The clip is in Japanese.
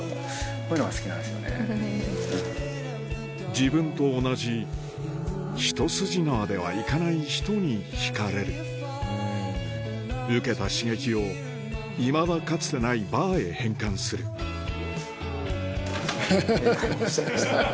自分と同じ一筋縄ではいかない人に惹かれる受けた刺激をいまだかつてないバーへ変換するフフフ。